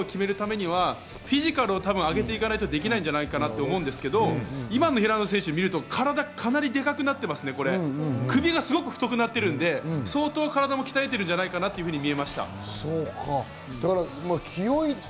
なのでトリプルコークという技を決めるためにはフィジカルはあげていかないとできないんじゃないかなと思うんですけれども、今の平野選手を見るとか体がかなりデカくなっているので首がすごく太くなってるんで、相当体を鍛えてるんじゃないかなと思いました。